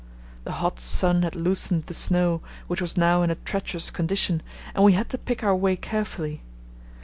The hot sun had loosened the snow, which was now in a treacherous condition, and we had to pick our way carefully.